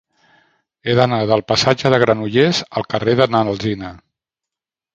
He d'anar del passatge de Granollers al carrer de n'Alsina.